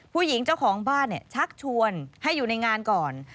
ผู้หญิงเจ้าของบ้านชักชวนให้อยู่ในงานก่อน